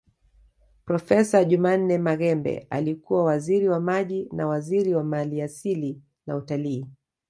Profesa Jumanne Maghembe alikuwa Waziri wa Maji na waziri wa maliasili na utalii